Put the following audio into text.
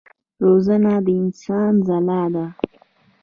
روزنه د انسان ځلا ده.